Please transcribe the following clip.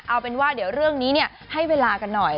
เอาเป็นว่าเดี๋ยวเรื่องนี้ให้เวลากันหน่อย